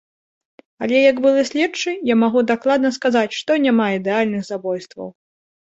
Але як былы следчы, я магу дакладна сказаць, што няма ідэальных забойстваў.